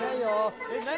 えっ何？